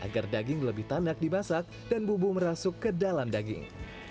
dari tanak dibasak dan bubu merasuk ke dalam daging